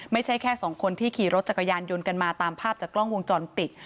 ไม่ใช่แค่สองคนที่ขี่รถจักรยานยนต์กันมาตามภาพจากกล้องวงจรปิด